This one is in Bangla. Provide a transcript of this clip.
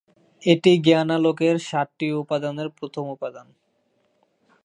এটি জ্ঞানালোকের সাতটি উপাদানের প্রথম উপাদান।